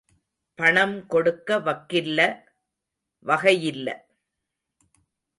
பணம் கொடுக்க வக்கில்ல... வகையில்ல.